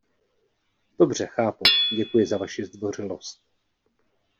Dobře, chápu, děkuji za vaši zdvořilost.